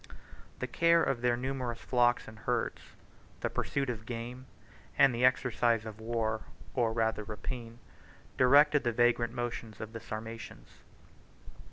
36 The care of their numerous flocks and herds, the pursuit of game, and the exercises of war, or rather of rapine, directed the vagrant motions of the Sarmatians.